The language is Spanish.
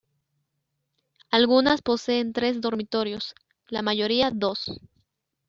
Algunas poseen tres dormitorios: la mayoría, dos.